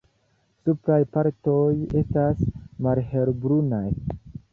Supraj partoj estas malhelbrunaj.